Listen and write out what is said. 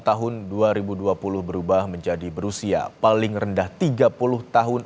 maka bunyi pasal empat pkpu nomor sembilan tahun dua ribu dua puluh berubah menjadi berusia paling rendah tiga puluh tahun